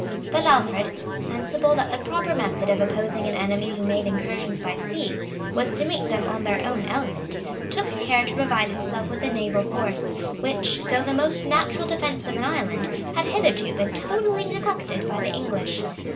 ] But Alfred, sensible that the proper method of opposing an enemy who made incursions by sea, was to meet them on their own element, took care to provide himself with a naval force,[*] which, though the most natural defence of an island, had hitherto been totally neglected by the English.